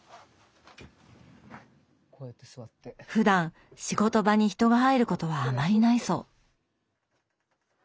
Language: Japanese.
ふだん仕事場に人が入ることはあまりないそう。